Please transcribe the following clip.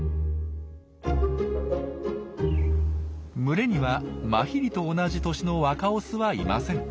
群れにはマヒリと同じ年の若オスはいません。